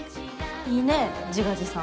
いいね自画自賛。